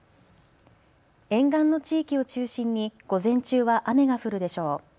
沿岸の地域を中心に午前中は雨が降るでしょう。